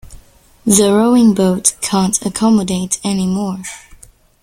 The rowing boat can't accommodate any more.